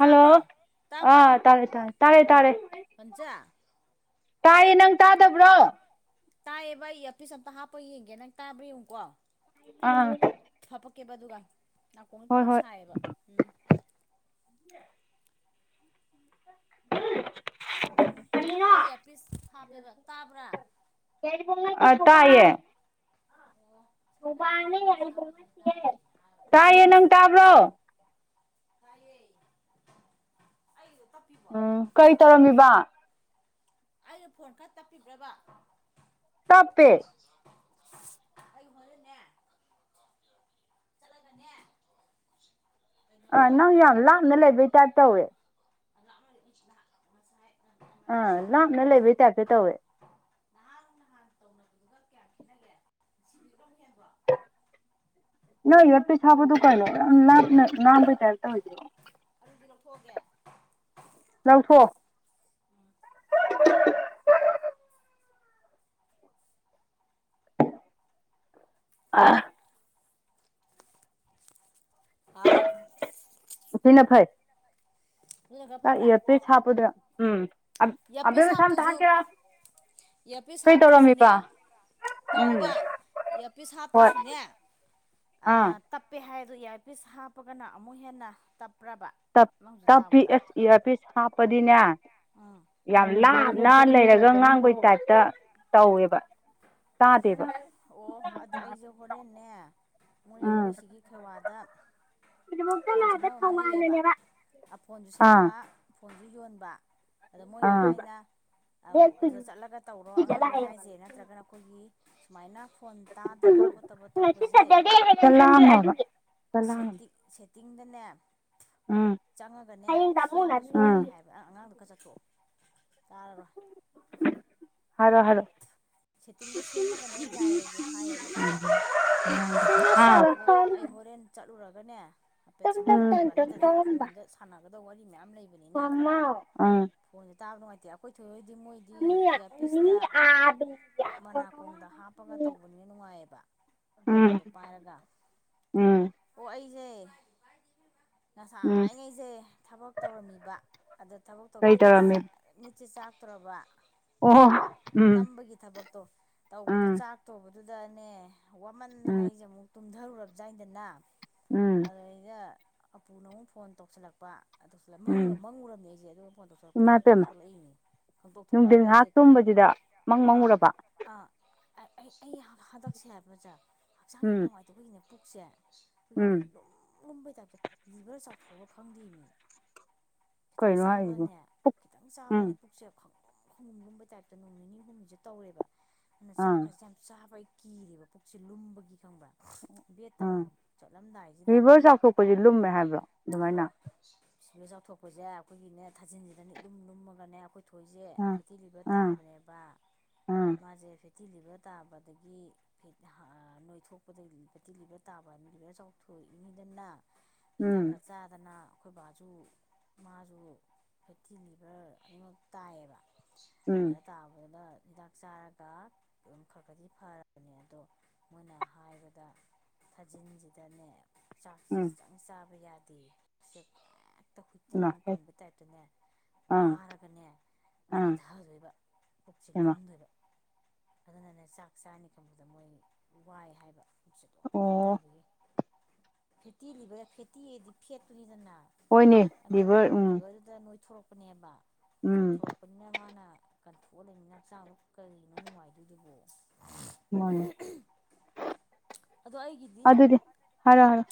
hello ꯇꯥꯕ꯭ꯔꯣ ꯑꯥ ꯇꯥꯔꯦ ꯇꯥꯔꯦ ꯇꯥꯔꯦ ꯇꯥꯔꯦ ꯄꯟꯆꯥ ꯇꯥꯏꯌꯦ ꯅꯪ ꯇꯥꯗꯕ꯭ꯔꯣ ꯇꯥꯏꯌꯦꯕ ꯑꯩ ꯑꯐꯤꯁ ꯑꯝꯇ ꯍꯥꯞꯄ ꯌꯦꯡꯒꯦ ꯅꯪ ꯇꯥꯕ꯭ꯔ ꯌꯦꯡꯨꯀꯣ ꯑꯥ ꯆꯀꯦꯕ ꯑꯗꯨꯒ ꯅꯥꯀꯣꯡꯗ ꯍꯣꯏ ꯐꯣꯟ ꯁꯥꯏꯌꯦꯕ ꯎꯝ ꯎ [unintelligible] ꯑꯩ ꯑꯦ ꯄꯤꯁ ꯍꯥꯞꯄꯦꯕ ꯇꯥꯕ꯭ꯔꯥ ꯑ ꯇꯥꯏꯌꯦ ꯑꯣ ꯃꯣꯏꯅ ꯕꯥ ꯍꯥꯟꯒꯩ ꯏꯌꯥꯔꯄꯤꯁ ꯍꯥꯞꯄꯁꯤꯅ ꯇꯥꯗꯦꯅ ꯍꯥꯏꯔꯨꯕ ꯇꯥꯏꯌꯦꯦ ꯅꯪ ꯇꯥꯕ꯭ꯔꯣ ꯇꯥꯏꯌꯦ ꯑꯩꯖꯦ ꯎꯝ ꯀꯔꯤ ꯇꯧꯔꯝꯃꯤꯕ ꯑꯩꯅ ꯐꯣꯟ ꯈꯔ ꯇꯞꯄꯤꯕ꯭ꯔꯕ ꯇꯞꯄꯦ ꯑꯩ ꯍꯣꯔꯦꯟꯅꯦ ꯆꯠꯂꯒꯅꯦ ꯑꯥ ꯀꯩꯅꯣꯗ ꯅꯪ ꯌꯥꯝꯅ ꯂꯩꯕꯩ ꯇꯥꯏꯄ ꯇꯧꯋꯦ [unintelligible] ꯉꯁꯥꯏ ꯑꯥ ꯉꯔꯥꯡ ꯅꯍꯥꯟ ꯂꯥꯞꯅ ꯇꯧꯕꯗꯣ ꯂꯩꯕꯩ ꯇꯥꯏꯞꯇ ꯇꯧꯋꯦ ꯅꯍꯥꯟ ꯅꯍꯥꯟ ꯇꯧꯅꯕꯗꯨ ꯂꯨꯄꯥ ꯀꯥꯌꯥ ꯄꯤꯅꯒꯦ [unintelligible] ꯅꯪ ꯏꯌꯔꯄꯤꯁ ꯍꯥꯞꯄꯗꯨ ꯀꯩꯅꯣ ꯌꯥꯝ ꯂꯥꯞꯅ ꯉꯥꯡꯕꯩ ꯇꯥꯏꯄ ꯇꯧꯋꯦ ꯑꯗꯨꯗꯤ ꯂꯧꯊꯣꯛꯑꯒꯦ ꯂꯧꯊꯣꯛꯑꯣ ꯑꯥ ꯍꯥꯎ ꯑꯗꯨꯅ ꯈꯔ ꯀꯥꯏ ꯐꯕ꯭ꯔꯥ ꯏꯌꯔꯄꯤꯁ ꯍꯥꯞꯄꯗ ꯎꯝ ꯑꯕꯦꯝꯃꯥ ꯁꯝ ꯑꯝꯇꯥ ꯍꯦꯠꯀꯦ ꯂꯥꯎ ꯏꯌꯔꯄꯤꯁ ꯍꯥꯞꯇ꯭ꯔꯥꯁꯨꯅꯦ ꯎꯝ ꯇꯥꯎꯋꯣꯕ ꯏꯌꯔꯄꯤꯁ ꯍꯣꯏ ꯍꯥꯞꯇ꯭ꯔꯁꯨꯅꯦ ꯑ ꯑꯥ ꯇꯞꯄꯦ ꯍꯥꯏ ꯑꯗꯨ ꯏꯌꯔꯄꯤꯁ ꯍꯥꯞꯄꯒꯅ ꯑꯃꯨꯛ ꯍꯦꯟꯅ ꯇꯞ ꯇꯞꯄꯤ ꯑꯦꯁ ꯏꯌꯥꯔꯄꯤꯁ ꯍꯥꯞꯄꯗꯤꯅꯦ ꯎꯝ ꯌꯥꯝ ꯂꯥ ꯅꯥ ꯂꯩꯔꯒ ꯉꯥꯡꯕꯩ ꯇꯥꯏꯞꯇ ꯇꯧꯋꯦꯕ ꯇꯥꯗꯦꯕ ꯑꯣ ꯑꯗꯥ ꯑꯩꯁꯨ ꯍꯣꯔꯦꯟꯅꯦ ꯃꯣꯏ ꯎꯝ ꯑꯩꯈꯣꯏ ꯁꯤꯒꯤ ꯈꯦꯋꯥꯗ ꯐꯣꯟ ꯁꯦꯝꯐꯝ ꯑꯃ ꯂꯩꯌꯦꯕ ꯊꯧꯕꯥꯜꯅꯅꯦꯕ ꯐꯣꯟꯁꯨ ꯑꯥ ꯁꯦꯝꯕ ꯐꯣꯟꯁꯨ ꯌꯣꯟꯕ ꯑꯗ ꯃꯣꯏꯅ ꯑꯥ ꯍꯥꯏꯅ ꯑꯗꯨꯗ ꯆꯠꯂꯒ ꯇꯧꯔꯣ ꯑꯉꯥꯡꯈꯩꯅ ꯍꯥꯏꯁꯦ ꯅꯠꯇ꯭ꯔꯒꯅ ꯑꯩꯈꯣꯏꯒꯤ ꯁꯨꯃꯥꯏꯅ ꯐꯣꯟ ꯇꯥꯗꯕ ꯈꯣꯠꯇꯕ ꯉꯁꯤ ꯁꯦꯇꯔꯗꯦ ꯑꯝꯇ ꯂꯥꯡꯅꯣꯕ ꯁꯦꯇꯤꯡ ꯁꯇꯤꯡꯗꯅꯦ ꯎꯝ ꯆꯪꯉꯒꯅꯦ ꯍꯌꯦꯡ ꯇꯥꯃꯣꯅ ꯁꯦꯝꯕꯁꯨ ꯎꯝ ꯌꯥꯏ ꯍꯥꯏꯕ ꯑ ꯑꯉꯥꯡꯗꯨ ꯈꯔ ꯆꯠꯊꯣꯛꯑꯣ ꯇꯥꯔꯔꯣꯏ ꯍꯥꯏꯔꯛꯑꯣ ꯁꯦꯠꯇꯤꯡꯗ ꯁꯦꯝꯃꯒꯅꯦ ꯌꯥꯏꯌꯦꯁꯨ ꯍꯥꯏꯔꯛꯑꯣ ꯍꯥꯏꯌꯦꯕꯀꯣ ꯑ ꯑꯗꯣ [unintelligible] ꯑꯩ ꯍꯣꯔꯦꯟ ꯆꯠꯂꯨꯔꯒꯅꯦ ꯍꯥꯏꯐꯦꯠ ꯁꯦꯝꯍꯜꯂꯒꯦꯕ ꯅꯠꯇꯗꯤ ꯐꯣꯟꯗ ꯁꯥꯟꯅꯒꯗꯧ ꯋꯥꯔꯤ ꯃꯌꯥꯝ ꯂꯩꯕꯅꯤꯅ ꯃꯥꯃꯥ ꯎꯝ ꯐꯣꯟꯁꯦ ꯇꯥꯕ ꯅꯨꯡꯉꯥꯏꯇꯦ ꯑꯩꯈꯣꯏ ꯊꯣꯏꯣꯏꯗꯤ ꯃꯣꯏꯗꯤ ꯏꯌꯥꯔꯄꯤꯁꯇ ꯃꯅꯥꯀꯣꯡꯗ ꯍꯥꯞꯄꯒ ꯇꯧꯕꯅꯤꯅ ꯅꯨꯡꯉꯥꯏꯌꯦꯕ ꯎꯝ ꯐꯣꯟꯗꯣ ꯄꯥꯏꯔꯒ ꯎꯝ ꯑꯣ ꯑꯩꯁꯦ ꯎꯝ ꯉꯁꯥꯏꯉꯩꯁꯦ ꯊꯕꯛ ꯇꯧꯔꯝꯃꯤꯕ ꯑꯗꯣ ꯊꯕꯛ ꯇꯧꯕ ꯀꯩ ꯇꯧꯔꯝꯃꯤ ꯃꯤꯠꯁꯦ ꯁꯤ ꯆꯥꯛꯇꯣꯔꯕ ꯑꯣ ꯎꯝ ꯊꯕꯛꯇꯣ ꯇꯧꯕꯗꯣ ꯎꯝ ꯆꯥꯛ ꯊꯣꯕꯗꯨꯗꯅꯦ ꯋꯥꯃꯟꯗꯅ ꯎꯝ ꯑꯩꯁꯦ ꯑꯃꯨꯛ ꯇꯨꯝꯊꯔꯨꯔꯕ ꯖꯥꯠꯅꯔꯗꯅ ꯎꯝ ꯑꯗꯩꯗ ꯍꯥꯞꯄꯨꯅ ꯑꯃꯨꯛ ꯐꯣꯟ ꯇꯧꯁꯜꯂꯛꯄ ꯃꯪꯒ ꯎꯝ ꯃꯪꯉꯨꯔꯔꯕꯅꯤ ꯑꯩꯁꯦ ꯑꯗꯨꯒ ꯐꯣꯟ ꯏꯃꯥ ꯇꯧꯁꯜꯂꯛꯄꯗꯒꯤ ꯃꯤꯀꯞ ꯄꯦꯝꯃ ꯊꯣꯛꯂꯛꯏꯅꯦ ꯈꯪꯇꯣꯛ ꯅꯨꯡꯊꯤꯟ ꯊꯣꯛꯂꯛꯑꯒ ꯑꯩꯁꯦ ꯉꯥꯏꯍꯥꯛ ꯇꯨꯝꯕꯁꯤꯗ ꯃꯪ ꯑꯥ ꯃꯪꯉꯨꯔꯕ ꯑꯥ ꯑꯩ ꯑꯩ ꯍꯟꯗꯛꯁꯦ ꯍꯥꯏꯕꯁꯦ ꯍꯛꯆꯥꯡ ꯌꯥꯝ ꯎꯝ ꯅꯨꯡꯉꯥꯏꯇꯕꯒꯤꯅꯦ ꯄꯨꯛꯁꯦ ꯑꯩꯈꯣꯏꯒꯤꯅꯦ ꯎꯝ ꯂꯨꯝ ꯂꯨꯝꯕꯩ ꯇꯥꯏꯞꯇ ꯂꯤꯚꯔ ꯆꯥꯎꯊꯣꯛꯑ ꯈꯪꯗꯦꯅꯦ ꯈꯤꯇꯪ ꯀꯩꯅꯣ ꯍꯥꯏꯁꯤꯕꯨ ꯆꯥꯕꯗꯅꯦ ꯈꯤꯇꯪ ꯎꯝ ꯆꯥꯕꯗꯅꯦ ꯄꯨꯛꯁꯦ ꯈꯪꯂꯨꯝ ꯈꯪꯂꯨꯝ ꯂꯨꯝꯕ ꯇꯥꯏꯞꯇ ꯅꯣꯡ ꯅꯤꯅꯤ ꯍꯨꯝꯅꯤꯁꯦ ꯇꯧꯔꯦꯕ ꯑꯗꯨꯅ ꯑꯥ ꯆꯥꯛꯀꯁꯦ ꯌꯥꯝ ꯆꯥꯕ ꯀꯤꯔꯕ ꯄꯨꯛꯁꯦ ꯂꯨꯝꯕꯒꯤ ꯈꯪꯕ꯭ꯔꯥ ꯕꯦꯠ ꯇꯝ ꯑꯥ ꯆꯠꯂꯝꯗꯥꯏꯁꯤꯗ ꯂꯤꯚꯔ ꯆꯥꯎꯊꯣꯛꯄꯁꯤ ꯂꯨꯝꯃꯦ ꯍꯥꯏꯕ꯭ꯔꯣ ꯑꯗꯨꯃꯥꯏꯅ ꯁꯤꯗ ꯆꯥꯎꯊꯣꯛꯄꯁꯦ ꯑꯩꯈꯣꯏꯒꯤꯅꯦ ꯊꯥꯖꯤꯟꯁꯤꯗꯅꯦ ꯂꯨꯝ ꯂꯨꯝꯃꯒꯅꯦ ꯑꯩꯈꯣꯏ ꯊꯣꯏꯁꯦ ꯑꯥ ꯐꯦꯠꯇꯤ ꯂꯤꯚꯔ ꯑꯥ ꯇꯥꯕꯅꯦꯕ ꯑꯥ ꯃꯥꯖꯦ ꯐꯦꯠꯇꯤ ꯂꯤꯚꯔ ꯇꯥꯕꯗꯒꯤ ꯅꯣꯏ ꯊꯣꯛꯄꯗꯒꯤ ꯐꯦꯠꯇꯤ ꯂꯤꯚꯔ ꯇꯥꯕ ꯂꯤꯚꯔ ꯆꯥꯎꯊꯣꯛ ꯑꯩꯈꯣꯏꯅꯤꯗꯨꯅ ꯎꯝ ꯍꯤꯗꯥꯛꯀ ꯆꯥꯗꯅ ꯑꯈꯣꯏ ꯕꯥꯁꯨ ꯃꯥꯁꯨ ꯐꯦꯠꯇꯤ ꯂꯤꯚꯔ ꯑꯅꯤꯃꯛ ꯇꯥꯏꯌꯦꯕ ꯎꯝ ꯑꯗ ꯇꯥꯕꯗ ꯍꯤꯗꯥꯛ ꯆꯥꯔꯒ ꯑꯗꯨꯝ ꯈꯔ ꯈꯗꯤ ꯐꯔꯕꯅꯦ ꯑꯗꯣ ꯃꯣꯏꯅ ꯍꯥꯏꯕꯗ ꯊꯥꯖꯤꯟꯁꯤꯗꯅꯦ ꯆꯥꯛꯁꯤ ꯎꯝ ꯆꯪ ꯆꯥꯕ ꯌꯥꯗꯦ ꯏꯃꯥ ꯍꯨꯏꯠꯇ꯭ꯔꯤꯃꯨꯛ ꯀꯪꯕꯩ ꯇꯥꯥꯢꯄꯇꯅꯦ ꯑꯥ ꯋꯥꯔꯒꯅꯦ ꯑꯥ ꯂꯨꯝꯊꯗꯣꯏꯕ ꯁꯤ ꯍꯩꯃꯥ ꯂꯨꯝꯗꯣꯏꯕ ꯑꯗꯨꯅꯅꯦ ꯆꯥꯛ ꯆꯥꯅꯤ ꯈꯪꯕꯗ ꯃꯣꯏ ꯋꯥꯏ ꯍꯥꯏꯕ ꯑꯗꯨꯝ ꯂꯨꯝ ꯑꯣ ꯂꯩꯕꯒꯤ ꯐꯦꯠꯇꯤ ꯂꯤꯚꯔ ꯐꯦꯠꯇꯤꯗꯤ ꯐꯦꯠꯇꯨꯅꯤꯗꯅ ꯍꯣꯏꯅꯦ ꯔꯤꯚꯔ ꯑꯅꯣꯏꯕꯗꯣ ꯎꯝ ꯂꯤꯚꯔꯗꯨꯗ ꯅꯣꯏꯊꯣꯔꯛꯄꯅꯦꯕ ꯎꯝ ꯆꯥꯎꯊꯣꯔꯛꯄꯅꯤꯅ ꯃꯥꯅ ꯀꯪꯊꯣꯛꯑ ꯂꯩꯃꯤꯅ ꯍꯛꯆꯥꯡꯗ ꯀꯔꯤꯅꯣ ꯅꯨꯡꯉꯥꯏꯗꯣꯏꯗꯨꯕꯣ ꯃꯅꯤ ꯑꯗꯣ ꯑꯩꯒꯤꯗꯤ ꯑꯗꯨꯗꯤ ꯍꯥꯔꯣ ꯍꯥꯔꯣ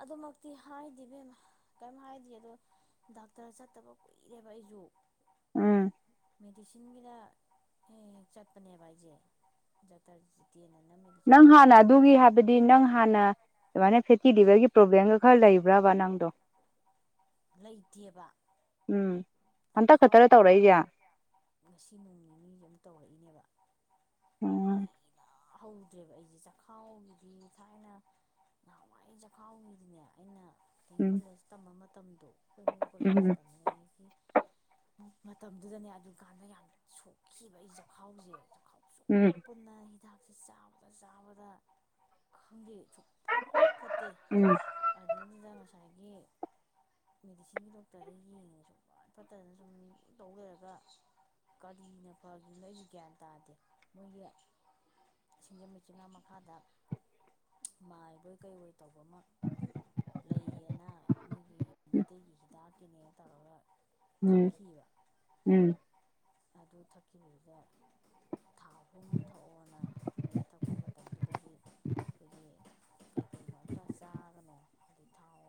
ꯑꯗꯨꯃꯛꯇꯤ ꯍꯥꯏꯗꯦ ꯢꯕꯦꯝꯃ ꯀꯩꯝ ꯍꯥꯏꯗꯤꯌꯦ ꯑꯗꯣ ꯗꯥꯛꯇꯔ ꯆꯠꯇꯕ ꯀꯨꯏꯔꯦꯕ ꯑꯩꯁꯨ ꯎꯝ ꯃꯦꯗꯤꯁꯤꯟꯒꯤꯗ ꯍꯦꯛ ꯍꯦꯛ ꯆꯠꯄꯅꯦꯕ ꯑꯩꯁꯦ ꯗꯥꯛꯇꯔ ꯖꯤꯇꯦꯟꯅ ꯅꯪ ꯍꯥꯟꯅ ꯑꯗꯨꯒꯤ ꯍꯥꯏꯕꯗꯤ ꯅꯪ ꯍꯥꯟꯅ ꯑꯗꯨꯃꯥꯏꯅ ꯐꯦꯠꯇꯤ ꯂꯤꯚꯔꯒꯤ ꯄ꯭ꯔꯣꯕ꯭ꯂꯦꯝꯒ ꯈꯔ ꯂꯩꯕ꯭ꯔꯥꯕ ꯅꯪꯗꯣ ꯂꯩꯇꯦꯕ ꯎꯝ ꯍꯟꯇꯛ ꯆꯈꯥꯎ ꯈꯛꯇꯔ ꯇꯧꯔꯛꯏꯁꯦ ꯉꯁꯤ ꯅꯣꯡ ꯅꯤꯅꯤ ꯁꯤꯗ ꯑꯃ ꯇꯧꯔꯛꯏꯅꯦꯕ ꯎꯝ ꯍꯧꯗ꯭ꯔꯦꯕ ꯑꯩꯁꯦ ꯆꯥꯛꯈꯥꯎꯒꯤꯗꯤ ꯊꯥꯏꯅ ꯅꯍꯥꯟꯋꯥꯏ ꯆꯈꯥꯎꯒꯤꯗꯤꯅꯦ ꯑꯩꯅ ꯗꯦꯝ ꯎꯝ ꯀꯣꯂꯦꯖ ꯇꯝꯕ ꯃꯇꯝꯗꯣ ꯗꯦꯝ ꯎꯝ ꯀꯣꯂꯦꯁꯇ ꯅꯦꯗꯤ ꯃꯇꯝꯗꯨꯗꯅꯦ ꯑꯗꯨꯀꯥꯟꯗ ꯌꯥꯝꯅ ꯁꯣꯛꯈꯤꯕ ꯑꯩ ꯆꯈꯥꯎꯁꯦ ꯆꯈꯥꯎꯁꯨ ꯎꯝ ꯄꯨꯟꯅ ꯍꯤꯗꯥꯛꯁꯦ ꯆꯥꯕꯗ ꯆꯥꯕꯗ ꯈꯪꯗꯦ ꯁꯨꯡꯐꯠ ꯐꯠꯇꯦ ꯎꯝ ꯑꯗꯨꯅ ꯉꯁꯥꯏꯒꯤ ꯃꯦꯗꯤꯁꯤꯟꯒꯤ ꯗꯣꯛꯇꯔꯗ ꯌꯦꯡꯉꯁꯨ ꯐꯠꯇꯗꯅ ꯁꯨꯝ ꯇꯧ ꯂꯩꯔꯒ ꯀꯔꯤ ꯅꯦꯄꯥꯂꯤꯅꯣ ꯑꯩꯁꯨ ꯒ꯭ꯌꯥꯟ ꯇꯥꯗꯦ ꯅꯣꯏꯒꯤ ꯁꯤꯡꯖꯃꯩ ꯆꯤꯡꯉꯅꯥꯃꯈꯥꯗ ꯃꯥꯏꯕꯣꯏ ꯀꯩꯑꯣꯏ ꯇꯧꯕ ꯑꯃ ꯂꯩꯌꯦꯅ ꯃꯣꯏꯒꯤ ꯃꯩꯇꯩꯒꯤ ꯍꯤꯗꯥꯛꯀꯤꯅꯦ ꯇꯧꯔꯒ ꯎꯝ ꯊꯛꯈꯤꯕ ꯎꯝ ꯑꯗꯨ ꯊꯛꯈꯤꯕꯗ ꯊꯥ ꯑꯍꯨꯝ ꯊꯣꯛꯑꯣꯅ ꯃꯣꯏꯅ ꯊꯛꯄ ꯃꯇꯝꯗꯨꯗꯗꯤ ꯑꯈꯣꯏꯒꯤ ꯀꯩꯀꯩ ꯀꯝꯇ ꯆꯥꯒꯅꯣ ꯍꯥꯏꯗꯤ ꯊꯥꯎ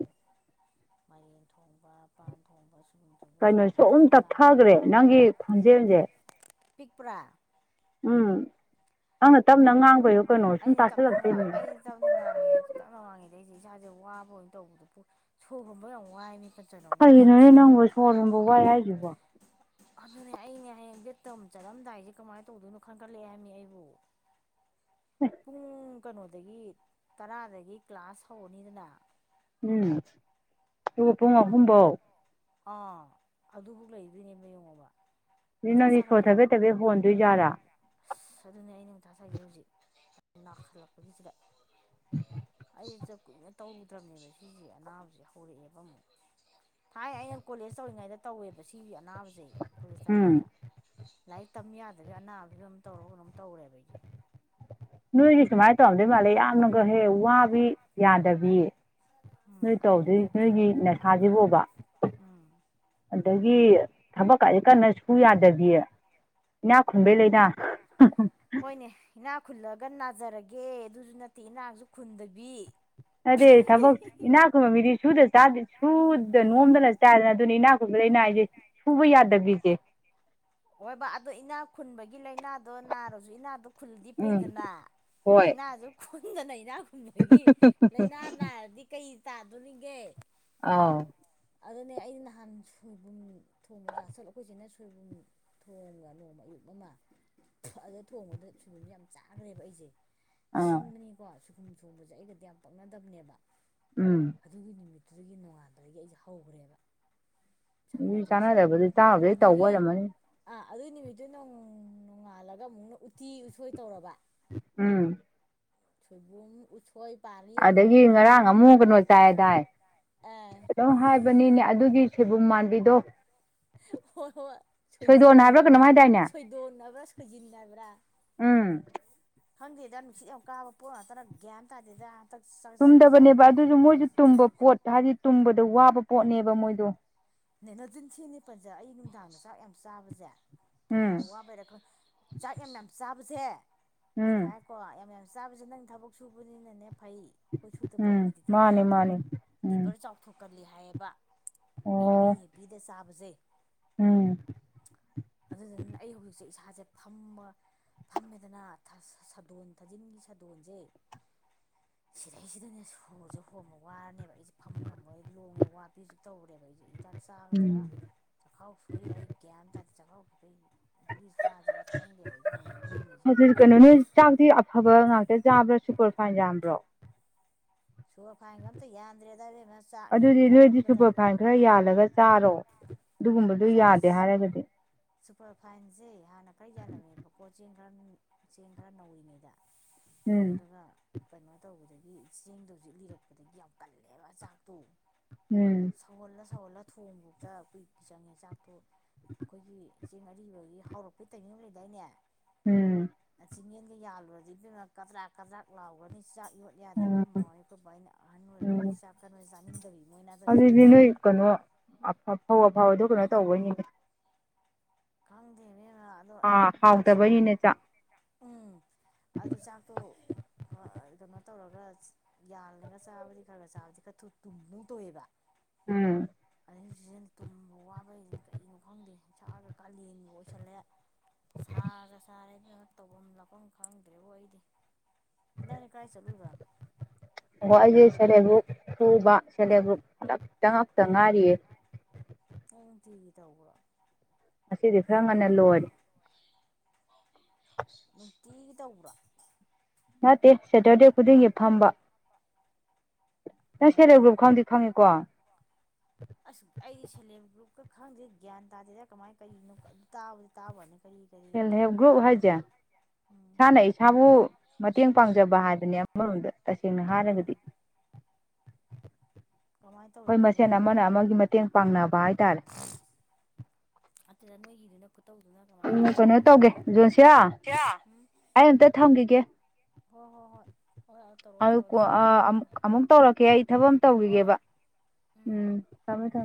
ꯃꯥꯢꯔꯦꯟ ꯊꯣꯡꯕ ꯄꯥꯟ ꯊꯣꯡꯕ ꯁꯣꯏꯕꯨꯝ ꯊꯣꯡꯕ ꯀꯩꯅꯣꯁꯨ ꯁꯨꯝꯕꯁꯦ ꯑꯗꯨꯝ ꯑꯝꯇ ꯆꯥꯕ ꯌꯥꯗꯦ ꯇꯞꯊꯈ꯭ꯔꯦ ꯅꯪꯒꯤ ꯈꯣꯟꯖꯦꯜꯁꯦ ꯄꯤꯛꯄ꯭ꯔꯥ ꯎꯝ ꯅꯪꯅ ꯇꯞꯅ ꯉꯥꯡꯕꯩꯔꯣ ꯀꯩꯅꯣ ꯁꯨꯝ ꯑꯩꯅ ꯇꯞꯅ ꯇꯥꯁꯜꯂꯛꯇꯣꯏꯅꯦ ꯑꯩꯩꯅ ꯇꯞꯅ ꯉꯥꯡꯉꯦ ꯇꯞꯅ ꯉꯥꯡꯉꯤ ꯁꯤ ꯏꯁꯥꯁꯦ ꯋꯥꯕ ꯑꯣꯏꯅ ꯇꯧꯕꯗ ꯁꯣꯔ ꯈꯣꯟꯕ ꯌꯥꯝ ꯋꯥꯏꯅꯦ ꯀꯩꯒꯤꯅꯣ ꯅꯪꯕꯣ ꯁꯣꯔ ꯍꯣꯟꯕ ꯋꯥꯢ ꯍꯥꯏꯖꯤꯕꯣ ꯑꯗꯨꯅꯦ ꯑꯩꯅꯦ ꯍꯌꯦꯡ ꯕꯦꯠ ꯇꯝ ꯆꯠꯔꯝꯗꯥꯏꯁꯦ ꯀꯃꯥꯏꯅ ꯇꯧꯗꯣꯏꯅꯣ ꯈꯟꯒꯠꯂꯛꯑꯦ ꯍꯥꯏꯕꯃꯤ ꯑꯩꯕꯨ [unintelligible] ꯀꯩꯅꯣꯗꯒꯤ ꯇꯔꯥꯗꯒꯤ ꯀ꯭ꯂꯥꯁ ꯍꯧꯔꯅꯤꯗꯅ ꯎꯝ ꯑꯗꯨꯒ ꯄꯨꯨꯝ ꯑꯍꯨꯝꯕꯧ ꯑꯥ ꯑꯗꯨꯕꯧ ꯂꯩꯗꯣꯏꯅꯦꯕ ꯌꯦꯡꯉꯣꯕ ꯑꯗꯨ ꯃꯊꯥ ꯅꯪꯗꯤ ꯁꯣꯔ ꯁꯥꯒꯠꯂꯦꯕ ꯊꯕꯦꯠ ꯊꯕꯦꯠ ꯍꯣꯟꯗꯣꯏꯖꯥꯔꯥ ꯑꯁ ꯑꯗꯨꯅꯦ ꯑꯩꯅ ꯃꯊꯥ ꯁꯥꯢꯖꯦ ꯍꯧꯖꯤꯛ ꯅꯥꯈꯜꯂꯛꯄꯁꯤꯗ [unintelligible] ꯑꯌꯨꯛꯇ ꯀꯨꯏꯅ ꯇꯧꯔꯨꯗꯕꯅꯦꯕ ꯁꯤꯁꯦ ꯑꯅꯥꯕꯁꯤꯦ ꯍꯧꯔꯛꯑꯦꯕ ꯑꯃꯨꯛ ꯊꯥꯏ ꯑꯩꯅ ꯀꯣꯂꯦꯖ ꯇꯧꯔꯤꯉꯩꯗ ꯇꯧꯋꯦꯕ ꯁꯤ ꯅꯥꯎꯖꯩ ꯀꯂꯤꯁ ꯎꯝ ꯇꯃꯤꯅꯦꯗ ꯂꯥꯏꯔꯤꯛ ꯇꯝ ꯌꯥꯗꯕ ꯑꯅꯥꯕ ꯐꯤꯕꯝ ꯇꯧꯔꯒ ꯀꯩꯅꯣꯝ ꯇꯧꯔꯦꯕ ꯑꯩꯗꯤ ꯅꯣꯏꯒꯤ ꯁꯨꯃꯥꯏꯅ ꯇꯧꯔꯝꯗꯣꯏ ꯃꯥꯜꯂꯦ ꯌꯥꯝꯅꯒ ꯍꯦ ꯋꯥꯕꯤ ꯌꯥꯗꯕꯤ ꯎꯝ ꯅꯣꯏ ꯇꯧꯗꯣꯏ ꯅꯣꯏꯒꯤ ꯅꯁꯥꯁꯤꯕꯣꯕ ꯎꯝ ꯑꯗꯒꯤ ꯊꯕꯛ ꯀ ꯀꯟꯅ ꯁꯨ ꯌꯥꯗꯕꯤꯌꯦ ꯏꯅꯥ ꯈꯨꯝꯕꯩ ꯍꯣꯏ ꯂꯩꯅꯥ ꯒ ꯅꯥꯖꯔꯒꯦ ꯑꯗꯨꯁꯨ ꯅꯠꯇꯦ ꯏꯅꯥꯍꯁꯨ ꯈꯨꯟꯗꯕꯤ ꯑꯗꯨꯗꯩ ꯊꯕꯛ ꯏꯅꯥꯛ ꯈꯨꯟꯕ ꯃꯤꯗꯤ ꯁꯨꯗ ꯆꯥꯗꯦ ꯁꯨꯗ ꯅꯣꯝꯗꯅ ꯆꯥꯗ ꯑꯗꯨꯅꯤ ꯏꯅꯥꯛ ꯈꯨꯨꯝꯕꯗꯅꯥ ꯎꯝ ꯍꯥꯏꯁꯦ ꯁꯨꯕ ꯌꯥꯗꯕꯤꯁꯦ ꯍꯣꯏꯕ ꯑꯗꯨꯣ ꯏꯅꯥ ꯈꯨꯟꯕꯒꯤ ꯒꯤ ꯂꯥꯏꯅꯥꯗꯣ ꯅꯥꯔꯁꯨ ꯏꯅꯥꯗꯣ ꯈꯨꯜꯗꯤ ꯎꯝ ꯐꯩꯗꯅ ꯍꯣꯏ ꯏꯅꯥꯁꯨ ꯈꯨꯟꯗꯅ ꯏ ꯗꯒꯤ ꯂꯥꯏꯅꯥ ꯅꯥꯔꯗꯤ ꯀꯩ ꯇꯥꯗꯣꯏꯅꯤꯒꯦ ꯑꯥ ꯑꯗꯨꯅꯦ ꯑꯩ ꯅꯍꯥꯟ ꯁꯣꯏꯕꯨꯝ ꯊꯣꯡꯅ ꯆꯥꯥꯁꯠꯂ ꯑꯩꯈꯣꯏꯁꯤꯅ ꯁꯣꯏꯕꯨꯝ ꯊꯣꯡꯉ ꯅꯣꯡꯃ ꯑꯌꯨꯛ ꯑꯃ ꯑꯗꯨꯗ ꯊꯣꯡꯕꯗ ꯁꯣꯏꯕꯨꯝꯁꯦ ꯌꯥꯝ ꯆꯥꯈ꯭ꯔꯦꯕ ꯑꯩꯁꯦ ꯑꯥ ꯁꯤꯟꯕꯅꯤꯀꯣ ꯁꯨꯒꯨꯝ ꯊꯣꯡꯕꯁꯦ ꯑꯩꯒꯗꯤ ꯌꯥꯝ ꯄꯛꯅꯗꯕꯅꯦꯕ ꯎꯝ ꯑꯗꯨꯒꯤ ꯅꯨꯃꯤꯠꯇ ꯑꯗꯨꯒꯤ ꯅꯣꯡꯉꯥꯜꯥꯟꯕꯗꯒꯤ ꯑꯩꯁꯦ ꯍꯧꯈ꯭ꯔꯦꯕ ꯏꯁꯥ ꯑꯗꯨ ꯅꯨꯡꯉꯥꯏꯇꯕꯁꯦ ꯆꯥꯟꯅꯗꯕꯗꯤ ꯆꯥꯕꯗꯩ ꯇꯧꯕ ꯑꯣꯏꯔꯝꯃꯅꯤ ꯑꯗꯨꯏ ꯅꯨꯃꯤꯠꯇꯨ ꯅ ꯅꯣꯡꯉꯥꯜꯂꯒ ꯑꯃꯨꯛꯅ ꯎꯇꯤ ꯎꯁꯣꯏ ꯇꯧꯔꯕ ꯎꯝ ꯁ ꯎꯆ ꯑꯗꯒꯤ ꯉꯔꯥꯡ ꯑꯃꯨꯛ ꯀꯩꯅꯣ ꯆꯥꯏꯗꯥꯏ ꯑꯥ ꯑꯗꯨꯝ ꯍꯥꯏꯕꯅꯤꯅꯦ ꯑꯗꯨꯒꯤ ꯁꯣꯏꯕꯨꯝ ꯃꯥꯟꯕꯤꯗꯣ ꯍꯣꯏ ꯍꯣꯏ ꯁꯣꯏꯗꯣꯟ ꯁꯣꯏꯖꯤꯟꯗꯣ ꯍꯥꯏꯕ꯭ꯔꯥ ꯀꯩꯅꯣꯝ ꯍꯥꯏꯗꯥꯏꯅꯦ ꯁꯣꯏꯗꯣꯛꯅꯕ꯭ꯔꯥ ꯁꯣꯏꯖꯤꯟꯅꯕ꯭ꯔꯥ ꯎꯝ ꯈꯪꯗꯦꯗ ꯅꯨꯡꯁꯤꯠ ꯌꯥꯝ ꯀꯥꯕ ꯄꯣꯠ ꯉꯥꯛꯇꯅ ꯒ꯭ꯌꯥꯟ ꯇꯥꯦꯗ ꯇꯨꯝꯗꯕꯅꯦꯕ ꯑꯗꯨꯁꯨ ꯃꯣꯏꯁꯨ ꯇꯨꯝꯕ ꯄꯣꯠ ꯍꯥꯏꯗꯤ ꯇꯨꯝꯕꯗꯣ ꯋꯥꯕ ꯄꯣꯠꯅꯦꯕ ꯃꯣꯏꯗꯣ ꯅꯦ ꯅꯆꯤꯟ ꯊꯤꯅꯤ ꯄꯟꯖ ꯑꯩ ꯅꯨꯡꯗꯥꯡꯗ ꯆꯥꯛ ꯌꯥꯝ ꯆꯥꯕꯁꯦ ꯇꯨꯝꯕ ꯎꯝ ꯋꯥꯕꯩꯔ ꯆꯥꯛ ꯌꯥꯝ ꯌꯥꯝ ꯆꯥꯕꯁꯦ ꯑꯩ ꯎꯝ ꯈꯥꯏꯀꯣ ꯌꯥꯝ ꯌꯥꯝ ꯆꯥꯁꯦ ꯅꯪ ꯊꯕꯛ ꯁꯨꯕꯅꯤꯅꯅꯦ ꯐꯩ ꯑꯩꯈꯣꯏ ꯁꯨꯗꯕ ꯎꯝ ꯑꯩꯈꯣꯏꯗꯗꯤꯅꯦ ꯃꯥꯅꯦ ꯃꯥꯅꯦ ꯎꯝ ꯂꯤꯚꯔ ꯆꯥꯎꯊꯣꯛꯀꯜꯂꯤ ꯍꯥꯏꯌꯦꯕ ꯍꯦꯕꯤ ꯑꯣ ꯍꯦꯕꯤꯗ ꯆꯥꯕꯁꯦ ꯎꯝ ꯑꯗꯨꯗꯅ ꯑꯩ ꯍꯧꯖꯤꯛꯁꯦ ꯏꯁꯥꯁꯦ ꯐꯝꯃ ꯐꯝꯃꯦꯗꯅ ꯁꯥꯗꯣꯟ ꯊꯥꯖꯤꯟꯒꯤ ꯁꯥꯗꯣꯟꯁꯦ [unintelligible] ꯁꯤꯔꯩꯁꯤꯗꯅꯦ ꯁꯣꯔꯁꯨꯦ ꯍꯣꯡꯕ ꯋꯥꯔꯅꯦꯕ ꯑꯩꯁꯦ ꯐꯝꯕ ꯉꯝꯕ ꯂꯣꯡꯉꯦ ꯋꯥ ꯄꯤ ꯍꯧꯖꯤꯛ ꯇꯧꯔꯨꯔꯦꯕ ꯍꯤꯗꯥꯛ ꯎꯝ ꯆꯥꯒꯗ꯭ꯔꯥ ꯆꯈꯥꯎ ꯁꯨꯏꯔ ꯑꯩ ꯒ꯭ꯌꯥꯟ ꯇꯥꯗ ꯆꯈꯥꯎ ꯐꯨꯏ ꯄꯂꯤꯁ ꯆꯥꯖꯔꯄꯪꯒꯕꯅꯤꯁ ꯑ ꯆꯕ꯭ꯔꯣ ꯁꯨꯄꯔ ꯐꯥꯏꯟ ꯆꯕ꯭ꯔꯣ ꯁꯣꯔ ꯐꯥꯏꯒ ꯑꯝꯇ ꯌꯥꯟꯗ꯭ꯔꯦꯗꯔ ꯉ ꯆꯥꯛꯅꯤꯅ ꯑꯗꯨꯗꯤ ꯅꯣꯏꯗꯤ ꯀꯟꯕꯗ ꯑꯗꯨꯒꯗꯨꯒꯨꯝꯕ ꯆꯥꯛ ꯁꯨꯄꯔ ꯐꯥꯏꯟꯁꯦ ꯍꯥꯟꯅ ꯀꯔꯤ ꯌꯥꯜꯂꯝꯃꯦꯕ ꯀꯣꯆ ꯆꯦꯡ ꯈꯔ ꯆꯦꯡ ꯈꯔ ꯅꯧꯔꯤꯉꯩꯗ ꯎꯝ ꯑꯗꯨꯒ ꯀꯩꯅꯣ ꯇꯧꯕꯗꯒꯤ ꯆꯦꯡꯗꯣ ꯍꯧꯖꯤꯛ ꯂꯤꯔꯛꯄꯗꯒꯤ ꯌꯥꯝ ꯀꯜꯂꯦꯕ ꯆꯥꯛꯇꯣ ꯎꯝ ꯊꯧꯍꯜꯂ ꯊꯣꯡꯕꯗ ꯀꯨꯏ ꯆꯪꯉꯦ ꯆꯥꯛꯇꯨ ꯑꯩꯈꯣꯏꯒꯤ ꯏꯦꯡ ꯑꯔꯤꯕꯒꯤ ꯍꯧꯥꯎꯔꯛꯄꯩ ꯇꯧꯩꯅꯣ ꯎꯝ ꯂꯩꯗꯥꯏꯅꯦꯤꯡ ꯌꯦ ꯌꯥꯜꯂꯨꯔꯗꯤ ꯀꯗ꯭ꯔꯥꯛ ꯀꯗ꯭ꯔꯥꯛ ꯂꯥꯎꯒꯅꯤ ꯆꯥꯛ ꯌꯣꯠ ꯌꯥꯗꯦ ꯎꯝ ꯑꯩꯈꯣꯏ ꯃꯃꯣꯏ ꯑꯩꯈꯣꯏꯕꯨꯕꯥ ꯑꯩꯅ ꯑꯍꯟ ꯎꯝ ꯑꯣꯏꯔꯛꯄꯒꯤ ꯆꯥꯛ ꯀꯩꯅꯣ ꯆꯥꯅꯤꯡꯗꯕꯤ ꯃꯣꯏꯅꯗꯣꯏꯁꯦ ꯐꯧ ꯑꯐꯥꯎ ꯑꯗꯨ ꯀꯩꯅꯣ ꯇꯧꯕꯣꯏꯅꯤꯅꯦ ꯀꯪꯗꯅꯦ ꯑꯥ ꯍꯥꯎꯗꯕꯅꯤꯅꯦ ꯆꯥꯛ ꯎꯝ ꯑꯗꯨ ꯆꯥꯛꯇꯣ ꯀꯩꯅꯣ ꯇꯧꯔꯒ ꯌꯥꯜꯂꯒ ꯆꯥꯕꯗꯤ ꯈꯔ ꯈꯔ ꯆꯥꯕꯗꯤ ꯈꯔ ꯊꯨ ꯇꯨꯝꯗꯧ ꯇꯣꯏꯑꯦꯕ ꯎꯝ ꯑꯩ ꯍꯧꯛ ꯇꯨꯝꯕ ꯋꯥꯕꯩꯁꯤ ꯀꯩꯅꯣ ꯈꯪꯗꯦ ꯁꯥꯥꯒ ꯀꯥꯂꯦꯟꯒꯤ ꯑꯣꯏꯁꯜꯂꯦ ꯁꯥꯔꯦ ꯁꯔꯦ ꯅ ꯇꯧꯐꯝ ꯂꯥꯛꯐꯝ ꯈꯪꯗ꯭ꯔꯦꯕꯣ ꯑꯩꯗꯤ ꯅꯪ ꯀꯥꯏ ꯆꯠꯂꯨꯗꯅꯣ ꯑꯣꯣꯏ ꯑꯩꯁꯦ ꯁꯦꯜꯐ ꯍꯦꯜꯞ ꯒ꯭ꯔꯨꯞ ꯄꯨꯕ ꯁꯦꯜꯐ ꯍꯦꯜꯞ ꯒ꯭ꯔꯨꯞ ꯑꯃꯛꯇ ꯉꯥꯛꯇ ꯉꯥꯏꯔꯤꯌꯦ [unintelligible] ꯑꯩ ꯅꯨꯡꯇꯤꯒꯤ ꯇꯧꯕ꯭ꯔꯣ ꯉꯗꯤ ꯈꯔ ꯉꯟꯅ ꯂꯣꯏꯔꯦ ꯅꯨꯡꯇꯤꯒꯤ ꯇꯧꯕ꯭ꯔꯥ ꯅꯠꯇꯦ ꯁꯦꯇꯔꯗꯦ ꯈꯨꯗꯤꯡꯒꯤ ꯐꯝꯕ ꯅꯪ ꯁꯦꯜꯞ ꯑꯣ ꯍꯦꯜꯞ ꯒ꯭ꯔꯨꯞ ꯈꯕꯗꯤ ꯐꯪꯉꯦꯀꯣ ꯑꯁ ꯑꯩꯗꯤ ꯁꯦꯜꯐ ꯍꯦꯜꯞ ꯒ꯭ꯔꯨꯞꯀ ꯈꯪꯗꯦ ꯒ꯭ꯌꯥꯟ ꯇꯥꯗꯦꯗ ꯀꯃꯥꯏꯅ ꯀꯔꯤꯅꯣ ꯇꯥꯕꯗꯤ ꯇꯥꯕꯅꯤ ꯀꯔꯤ ꯀꯔꯤ ꯁꯦꯜꯐ ꯍꯦꯜꯞ ꯇꯧꯒꯦ ꯒ꯭ꯔꯨꯞ ꯈꯣꯠꯀꯦ ꯍꯥꯏꯁꯦ ꯑꯗ ꯏꯁꯥꯅ ꯏꯁꯥꯕꯨ ꯃꯇꯦꯡ ꯄꯥꯡꯖꯕ ꯍꯥꯏꯕꯅꯦ ꯑꯃꯔꯣꯝꯗ ꯇꯁꯦꯡꯅ ꯎꯝ ꯍꯥꯏꯔꯒꯗꯤ [unintelligible] ꯀꯃꯥꯏꯅ ꯍꯣꯏ ꯇꯧꯔꯤꯕ ꯃꯁꯦꯟ ꯑꯃꯅ ꯅꯣꯏꯒꯤꯅꯣ ꯑꯃꯒꯤ ꯃꯇꯦꯡ ꯄꯥꯡꯅꯕ ꯍꯥꯏꯇꯥꯔꯦ ꯑꯗ ꯅꯣꯏꯗꯅ ꯎꯝ ꯀꯩꯅꯣ ꯇꯧꯒꯦ ꯖꯣꯟꯁꯤꯌꯥ ꯎꯝ ꯑꯩ ꯑꯝꯇ ꯊꯝꯈꯤꯒꯦ ꯍꯣꯏ ꯍꯣꯏ ꯍꯣꯏ ꯍꯣꯏ ꯇꯧꯔꯣ [unintelligible] ꯑꯗꯨ ꯇꯧꯔꯣ ꯑꯗꯨꯒ ꯑꯃꯨꯛ ꯎꯝ ꯑꯃꯨꯛ ꯇꯧꯔꯛꯀꯦ ꯑꯩ ꯊꯕꯛ ꯑꯃ ꯍꯣꯏ ꯇꯧꯈꯤꯒꯦꯕ ꯍꯣꯏ ꯎꯝ ꯇꯃ ꯊ